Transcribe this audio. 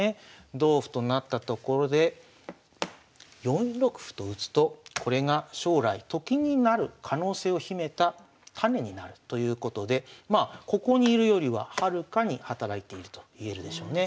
同歩となったところで４六歩と打つとこれが将来と金になる可能性を秘めた種になるということでまあここに居るよりははるかに働いているといえるでしょうね。